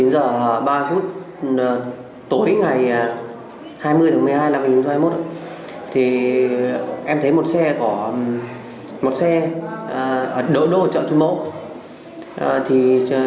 chín giờ ba phút tối ngày hai mươi tháng một mươi hai năm hai nghìn hai mươi một em thấy một xe có một xe ở đôi đôi ở chợ trung mẫu